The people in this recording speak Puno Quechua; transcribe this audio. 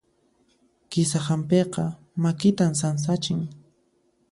Kisa hap'iyqa makitan sansachin.